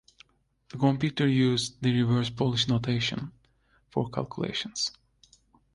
The computer used the Reverse Polish Notation for calculations.